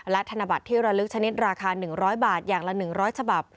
และธนบัตรที่ระลึกชนิดราคา๑๐๐บาทอย่างละ๑๐๐ฉบับ